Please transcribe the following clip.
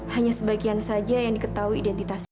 hanya sebagian saja yang diketahui identitasnya